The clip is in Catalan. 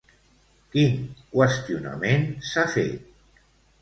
Quin qüestionament s'ha fet?